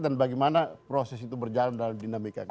dan bagaimana proses itu berjalan dalam dinamikannya